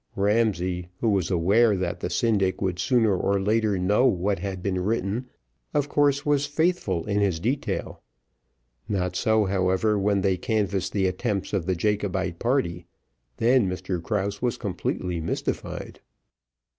Ramsay, who was aware that the syndic would sooner or later know what had been written, of course was faithful in his detail; not so, however, when they canvassed the attempts of the Jacobite party; then Mr Krause was completely mystified.